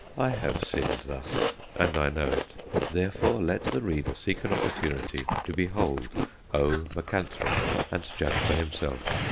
I have sinned thus, and I know it. Therefore, let the reader seek an opportunity to behold O. macranthum, and judge for himself.